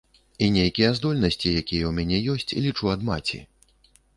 І нейкія здольнасці, якія ў мяне ёсць, лічу, ад маці.